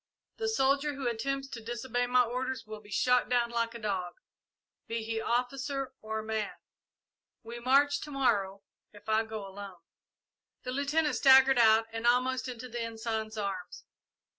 The soldier who attempts to disobey my orders will be shot down like a dog, be he officer or man. We march to morrow, if I go alone!" The Lieutenant staggered out and almost into the Ensign's arms.